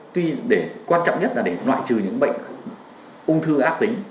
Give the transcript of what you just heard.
tuy quan trọng nhất là để ngoại trừ những bệnh ung thư ác tính